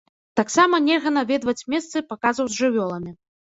Таксама нельга наведваць месцы паказаў з жывёламі.